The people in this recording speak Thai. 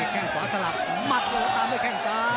แข่งขวาสลับหลับมัดต้องการด้วยแข่งซ้าย